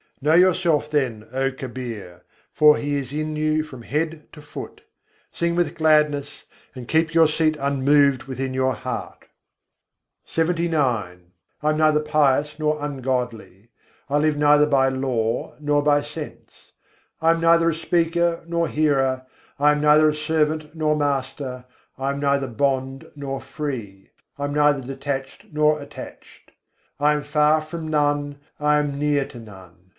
Know yourself then, O Kabîr; for He is in you from head to foot. Sing with gladness, and keep your seat unmoved within your heart. LXXIX III. 66. nâ main dharmî nahîn adharmî I am neither pious nor ungodly, I live neither by law nor by sense, I am neither a speaker nor hearer, I am neither a servant nor master, I am neither bond nor free, I am neither detached nor attached. I am far from none: I am near to none.